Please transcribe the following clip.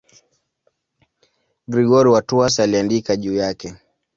Gregori wa Tours aliandika juu yake.